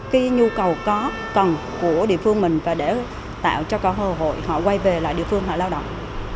cái nhu cầu có cần của địa phương mình và để tạo cho cơ hội họ quay về lại địa phương họ lao động